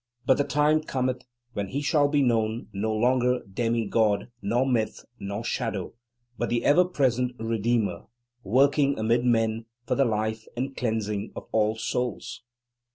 But the time cometh, when he shall be known, no longer demi god, nor myth, nor shadow, but the ever present Redeemer, working amid men for the life and cleansing of all souls.